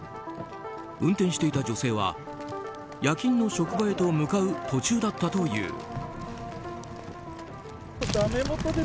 運転していた女性は夜勤の職場へと向かう途中だったという。